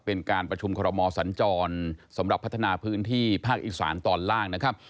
เป็นการประชุมคอรมอสัญจรสำหรับพัฒนาพื้นที่ภาคอีสานตอนล่างนะครับ